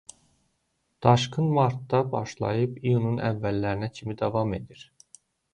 Daşqın martda başlayıb iyunun əvvəllərinə kimi davam edir.